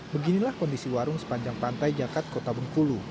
beginilah kondisi warung sepanjang pantai jakat kota bengkulu